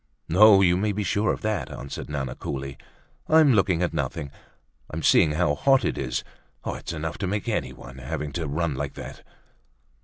"No, you may be sure of that," answered Nana coolly. "I'm looking at nothing—I'm seeing how hot it is. It's enough to make anyone, having to run like that."